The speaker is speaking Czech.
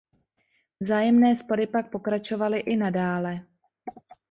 Vzájemné spory pak pokračovaly i nadále.